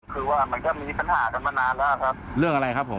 คือว่ามันก็มีปัญหากันมานานแล้วครับเรื่องอะไรครับผม